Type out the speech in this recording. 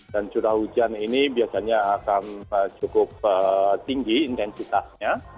dan curah hujan ini biasanya akan cukup tinggi intensitasnya